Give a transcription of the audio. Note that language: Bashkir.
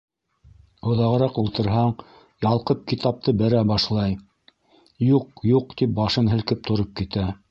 Оҙағыраҡ ултырһаң ялҡып китапты бәрә башлай, юҡ-юҡ тип башын һелкеп тороп китә.